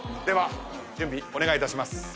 では準備お願いいたします。